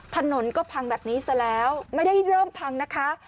ถนนก็พังแบบนี้ซะแล้วไม่ได้เริ่มพังนะคะ